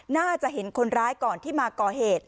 น่าจะเห็นคนร้ายก่อนที่มาก่อเหตุ